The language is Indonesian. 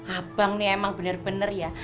abang ini emang bener bener ya